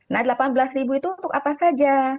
nah delapan belas itu untuk apa saja